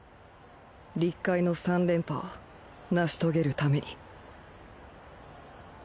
立海の三連覇を成し遂げるために